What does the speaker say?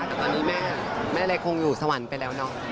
แต่ตอนนี้แม่เล็กคงอยู่สวรรค์ไปแล้วเนอะ